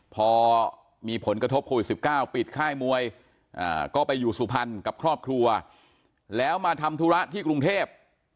พอมีผลกระทบโควิด๑๙ปิดค่ายมวยก็ไปอยู่สุพรรณกับครอบครัวแล้วมาทำธุระที่กรุงเทพ